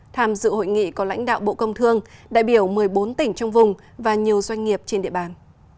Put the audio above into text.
tham dự hội nghị có lãnh đạo bộ công thương đại biểu một mươi bốn tỉnh trong vùng và nhiều doanh nghiệp trên địa bàn